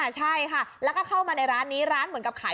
ใช่ค่ะแล้วก็เข้ามาในร้านนี้ร้านเหมือนกับขาย